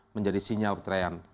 menjadi sinyal kecerahan